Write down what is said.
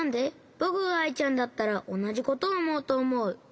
ぼくがアイちゃんだったらおなじことおもうとおもう。